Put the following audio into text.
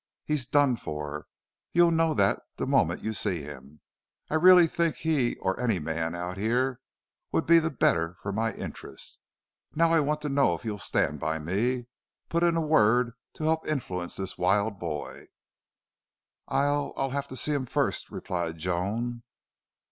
"He's done for. You'll know that the moment you see him. I really think he or any man out here would be the better for my interest. Now, I want to know if you'll stand by me put in a word to help influence this wild boy." "I'll I'll have to see him first," replied Joan.